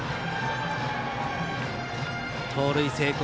盗塁成功。